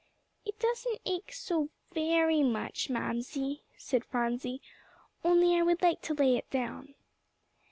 "It doesn't ache so very much, Mamsie," said Phronsie, "only I would like to lay it down."